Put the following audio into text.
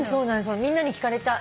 みんなに聞かれた。